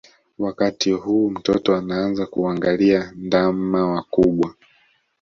Wakati huu mtoto anaanza kuwaangalia ndama wakubwa